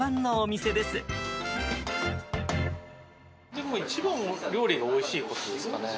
でも、一番は料理がおいしいことですかね。